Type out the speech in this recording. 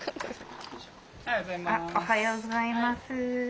おはようございます。